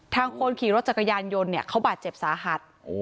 ทางคนขี่รถจักรยานยนต์เขาบาดเจ็บสาหัส